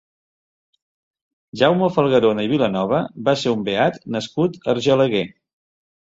Jaume Falguerona i Vilanova va ser un beat nascut a Argelaguer.